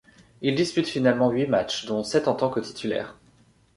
Il dispute finalement huit matchs, dont sept en tant que titulaires.